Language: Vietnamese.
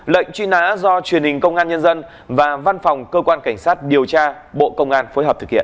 lệnh truy nã do truyền hình công an nhân dân và văn phòng cơ quan cảnh sát điều tra bộ công an phối hợp thực hiện